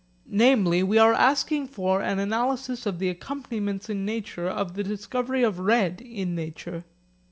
Namely we are asking for an analysis of the accompaniments in nature of the discovery of red in nature.